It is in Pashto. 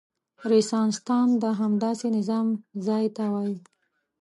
رنسانستان د همداسې نظام ځای ته وايي.